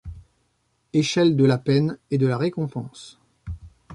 Échelle de la peine et de la récompense!